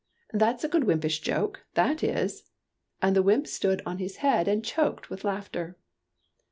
That 's a good wympish joke, that is !" And the wymp stood on his head and choked with laughter.